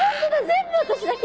全部私だけど。